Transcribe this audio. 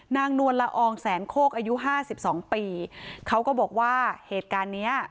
นวลละอองแสนโคกอายุห้าสิบสองปีเขาก็บอกว่าเหตุการณ์เนี้ย